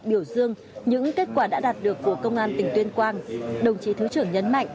biểu dương những kết quả đã đạt được của công an tỉnh tuyên quang đồng chí thứ trưởng nhấn mạnh